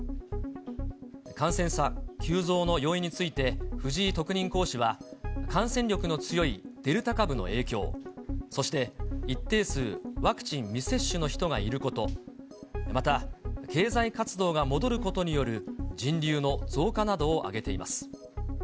感染者急増の要因について、藤井特任講師は、感染力の強いデルタ株の影響、そして、一定数ワクチン未接種の人がいること、また経済活動が戻ることによる人流の増加などを挙げています。